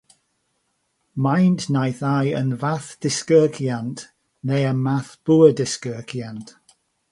Maent naill ai yn fath disgyrchiant neu'r math bwa-disgyrchiant.